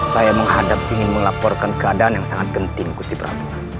saya menghadap ingin melaporkan keadaan yang sangat penting kutipra